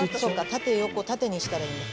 縦横縦にしたらいいんだ。